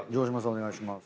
お願いします。